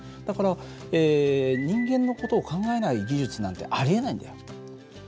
だから人間の事を考えない技術なんてありえないんだよ。